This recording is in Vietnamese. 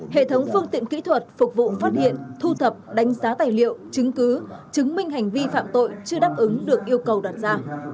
hệ thống phương tiện kỹ thuật phục vụ phát hiện thu thập đánh giá tài liệu chứng cứ chứng minh hành vi phạm tội chưa đáp ứng được yêu cầu đặt ra